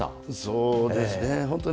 そうですね。